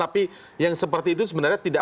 tapi yang seperti itu sebenarnya tidak